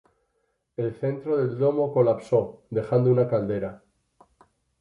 El centro del domo colapsó, dejando una caldera.